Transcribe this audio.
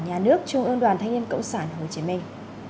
nhà nước trung ương đoàn thanh niên cộng sản hồ chí minh